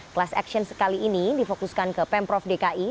class action sekali ini difokuskan ke pemprov dki